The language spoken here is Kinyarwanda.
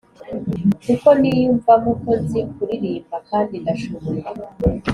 kuko niyumvamo ko nzi kuririmba, kandi ndashoboye